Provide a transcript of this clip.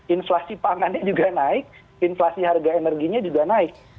inflasi pangannya juga naik inflasi harga energinya juga naik